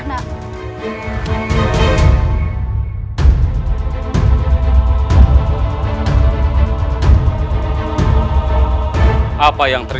kalian bisa panggil kembali ke